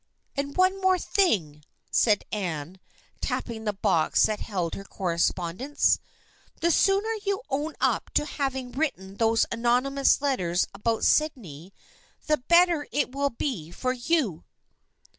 " And one thing more," said Anne, tapping the box that held her correspondence, " the sooner you own up to having written these anonymous letters about Sydney the better it will be for you."